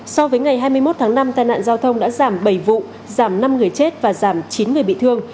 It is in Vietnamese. so với ngày hai mươi một tháng năm tai nạn giao thông đã giảm bảy vụ giảm năm người chết và giảm chín người bị thương